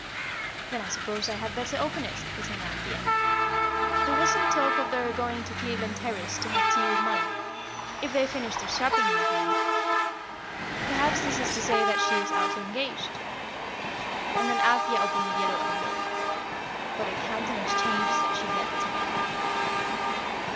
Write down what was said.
"Then I suppose I had better open it," returned Althea. "There was some talk of their going to Cleveland Terrace to have tea with Mollie, if they finished their shopping in time. Perhaps this is to say that she is out or engaged." And then Althea opened the yellow envelope. But her countenance changed as she read the telegram.